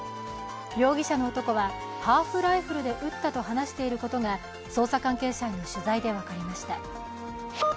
容疑者の男はハーフライフルで撃ったと話していることが捜査関係者への取材で分かりました。